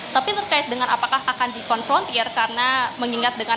tapi terkait dengan apakah akan dikonfrontir karena mengingat dengan